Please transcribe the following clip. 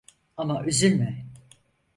Ama üzülme.